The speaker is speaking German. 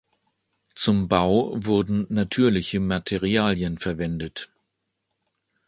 Zum Bau wurden natürliche Materialien verwendet.